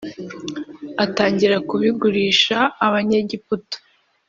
atangira kubigurisha Abanyegiputa